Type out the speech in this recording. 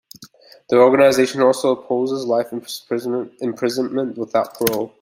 The organization also opposes life imprisonment without parole.